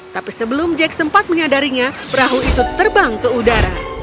tapi sebelum jack sempat menyadarinya perahu itu terbang ke udara